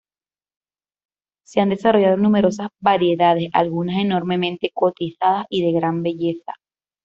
Se han desarrollado numerosas variedades, algunas enormemente cotizadas y de gran belleza.